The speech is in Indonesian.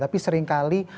tapi sering kali